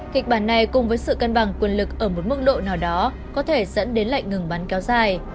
kịch bản này cùng với sự cân bằng quyền lực ở một mức độ nào đó có thể dẫn đến lệnh ngừng bắn kéo dài